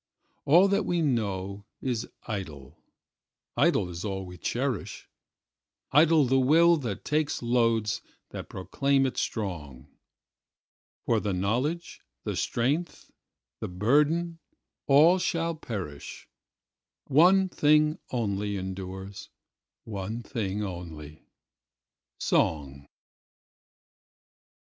All that we know is idle; idle is all we cherish; Idle the will that takes loads that proclaim it strong. For the knowledge, the strength, the burden—all shall perish:One thing only endures, one thing only—song.